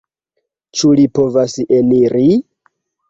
Ĉu li povas eniri?